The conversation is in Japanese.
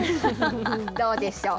どうでしょう。